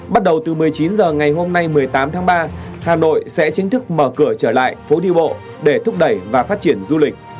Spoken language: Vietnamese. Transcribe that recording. bắt đầu từ một mươi chín h ngày hôm nay một mươi tám tháng ba hà nội sẽ chính thức mở cửa trở lại phố đi bộ để thúc đẩy và phát triển du lịch